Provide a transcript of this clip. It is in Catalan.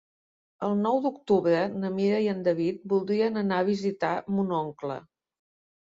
El nou d'octubre na Mira i en David voldria anar a visitar mon oncle.